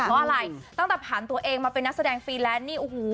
เพราะอะไรตั้งแต่ผ่านตัวเองมาเป็นนักแสดงฟรีแลนซ์นี่โอ้โห